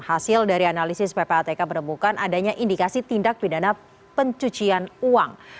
hasil dari analisis ppatk menemukan adanya indikasi tindak pidana pencucian uang